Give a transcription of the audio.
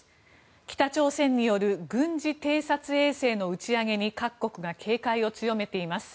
北朝鮮による軍事偵察衛星の打ち上げに各国が警戒を強めています。